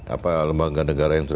apa lembaga negara yang